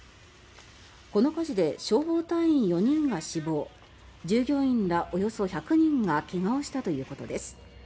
この火事で消防隊員４人が死亡従業員らおよそ１００人が怪我をしたということです。